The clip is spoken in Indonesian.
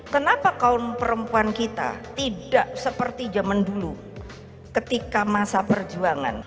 kenapa kaum perempuan kita tidak seperti zaman dulu ketika masa perjuangan